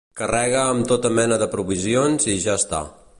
Carrega amb tota mena de provisions i ja està.